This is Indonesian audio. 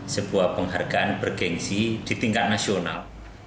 sebuah penghargaan bergensi di tingkat nasional